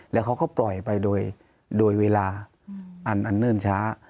แล้วเขาก็ปล่อยไปโดยเวลาอันเนิ่นช้า